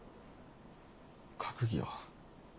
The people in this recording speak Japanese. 閣議は？